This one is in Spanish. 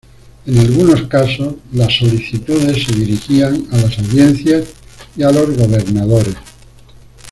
En algunos casos las solicitudes se dirigían a las audiencias y a los gobernadores.